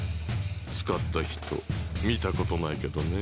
使った人見たことないけどね